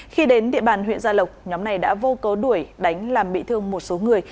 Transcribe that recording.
khi đến địa bàn huyện gia lộc nhóm này đã vô cớ đuổi đánh làm bị thương một số người